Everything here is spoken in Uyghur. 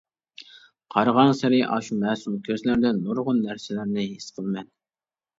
قارىغانسېرى ئاشۇ مەسۇم كۆزلەردىن نۇرغۇن نەرسىلەرنى ھېس قىلىمەن.